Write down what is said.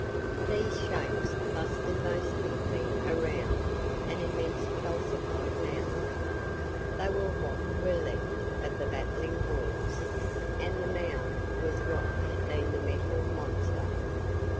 These shapes clustered most thickly around an immense calcified mound. They were what were left of the battling Hordes, and the mound was what had been the Metal Monster.